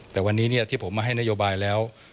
แต่วันนี้ที่ผมมาให้นโยบายแล้ว